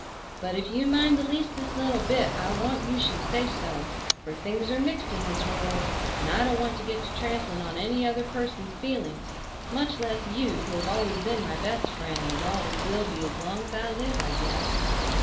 But if you mind the leastest little bit I want you should say so, for things are mixed in this world and I don't want to get to trampling on any other person's feelings, much less you who have always been my best friend and always will be as long as I live I guess.